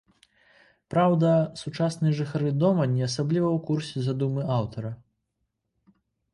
Праўда, сучасныя жыхары дома не асабліва ў курсе задумы аўтара.